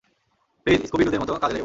Please, Scooby Doo দের মতো কাজে লেগে পড়ো।